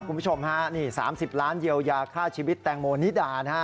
คุณผู้ชมฮะนี่๓๐ล้านเยียวยาฆ่าชีวิตแตงโมนิดานะฮะ